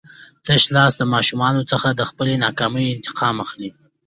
د تشلاس ماشومانو څخه د خپلې ناکامۍ انتقام اخلي.